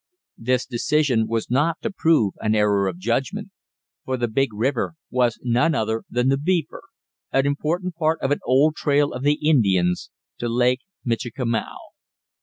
This decision was not to prove an error of judgment; for the big river was none other than the Beaver an important part of an old trail of the Indians to Lake Michikamau.